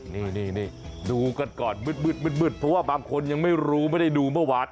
นี่ดูกันก่อนมืดเพราะว่าบางคนยังไม่รู้ไม่ได้ดูเมื่อวาน